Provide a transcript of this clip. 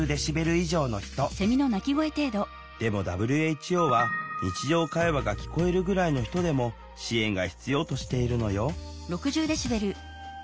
でもＷＨＯは日常会話が聞こえるぐらいの人でも支援が必要としているのよ